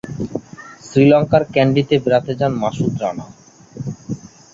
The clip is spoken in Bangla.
শ্রীলংকার ক্যান্ডিতে বেড়াতে যান মাসুদ রানা।